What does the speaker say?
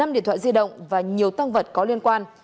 năm điện thoại di động và nhiều tăng vật có liên quan